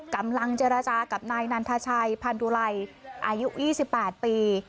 กำลังเจรจากับนายนันทชัยพันธุไลอายุ๒๘ปี